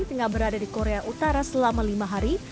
tengah berada di korea utara selama lima hari